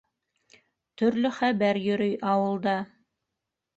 Төрлө хәбәр йөрөй ауылда.